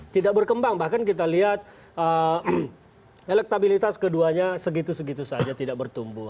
tidak berkembang bahkan kita lihat elektabilitas keduanya segitu segitu saja tidak bertumbuh